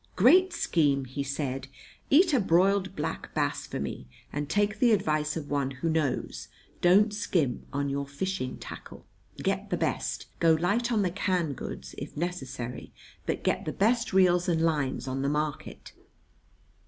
"Great scheme!" he said. "Eat a broiled black bass for me. And take the advice of one who knows: don't skimp on your fishing tackle. Get the best. Go light on the canned goods, if necessary; but get the best reels and lines on the market.